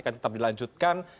akan tetap dilanjutkan